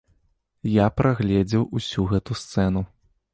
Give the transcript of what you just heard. Я прагледзеў усю гэту сцэну.